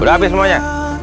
udah habis semuanya